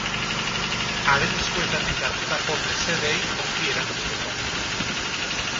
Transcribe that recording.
Haren eskuetatik hartutako mesedeei ongi erantzuteko.